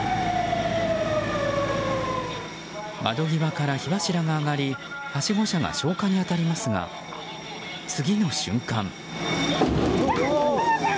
窓際から火柱が上がりはしご車が消火に当たりますが次の瞬間。